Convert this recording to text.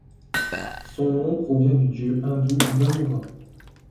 Son nom provient du dieu hindou Varuna.